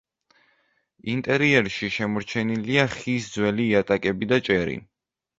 ინტერიერში შემორჩენილია ხის ძველი იატაკები და ჭერი.